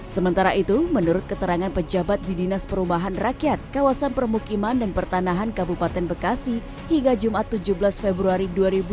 sementara itu menurut keterangan pejabat di dinas perumahan rakyat kawasan permukiman dan pertanahan kabupaten bekasi hingga jumat tujuh belas februari dua ribu dua puluh